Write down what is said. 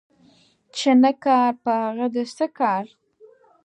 چي نه کار ، په هغه دي څه کار